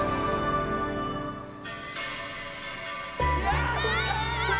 やった！